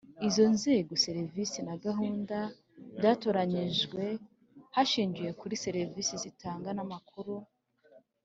izo nzego, serivisi na gahunda byatoranyijwe hashingiwe kuri serivisi zitanga n’amakuru